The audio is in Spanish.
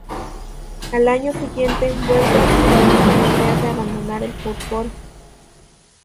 Al año siguiente vuelve a su país con la idea de abandonar el fútbol.